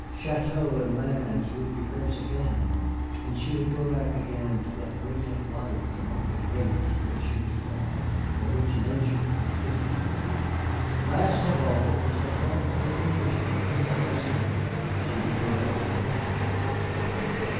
Châteaux and lands would be hers again, and she would go back again to that brilliant life among the great to which she was born, for which nature had fitted her. Last of all was the thought of the Englishman whom I resembled. She would go back to him.